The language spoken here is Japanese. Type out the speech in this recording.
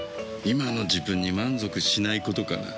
今の自分に満足しないことかな。